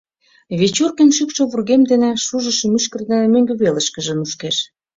Вечоркин шӱкшӧ вургем дене, шужышо мӱшкыр дене мӧҥгӧ велышкыже нушкеш.